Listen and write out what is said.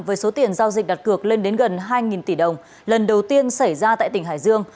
với số tiền giao dịch đặt cược lên đến gần hai tỷ đồng lần đầu tiên xảy ra tại tỉnh hải dương